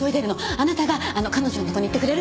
あなたが彼女のとこに行ってくれる？